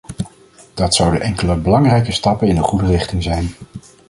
Dat zouden enkele belangrijke stappen in de goede richting zijn.